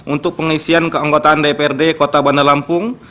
untuk pengisian keanggotaan dprd kota bandar lampung